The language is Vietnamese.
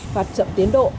phạt chậm tiến độ